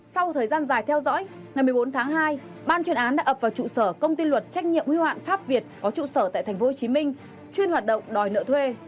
sau thời gian dài theo dõi ngày một mươi bốn tháng hai ban chuyên án đã ập vào trụ sở công ty luật trách nhiệm hưu hạn pháp việt có trụ sở tại tp hcm chuyên hoạt động đòi nợ thuê